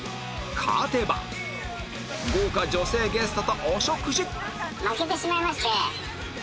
勝てば豪華女性ゲストとお食事！